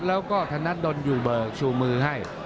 แล้วก็ธนัดดนอยู่เบอร์ชูมือให้